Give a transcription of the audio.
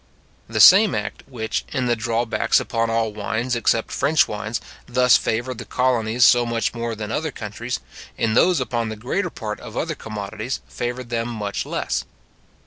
The same act which, in the drawbacks upon all wines, except French wines, thus favoured the colonies so much more than other countries, in those upon the greater part of other commodities, favoured them much less.